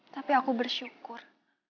tapi aku bersyukur